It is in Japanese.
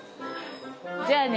じゃあね。